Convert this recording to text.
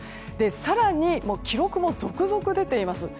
更に、記録も続々出ています。